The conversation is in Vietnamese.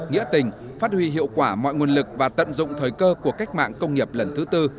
nghĩa tình phát huy hiệu quả mọi nguồn lực và tận dụng thời cơ của cách mạng công nghiệp lần thứ tư